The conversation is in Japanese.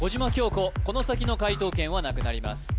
古この先の解答権はなくなります